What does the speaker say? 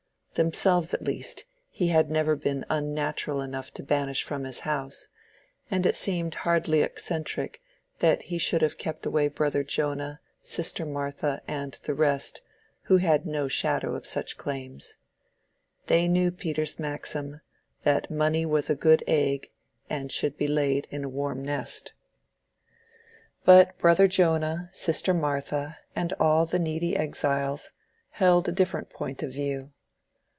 Themselves at least he had never been unnatural enough to banish from his house, and it seemed hardly eccentric that he should have kept away Brother Jonah, Sister Martha, and the rest, who had no shadow of such claims. They knew Peter's maxim, that money was a good egg, and should be laid in a warm nest. But Brother Jonah, Sister Martha, and all the needy exiles, held a different point of view.